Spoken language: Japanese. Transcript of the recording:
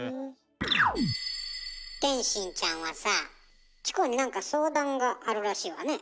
天心ちゃんはさあチコに何か相談があるらしいわね。